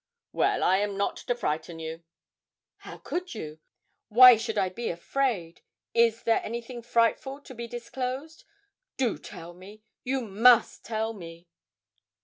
'Well, I am not to frighten you.' 'How could you? Why should I be afraid? Is there anything frightful to be disclosed? Do tell me you must tell me.'